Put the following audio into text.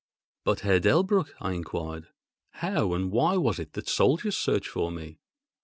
"But Herr Delbrück," I enquired, "how and why was it that the soldiers searched for me?"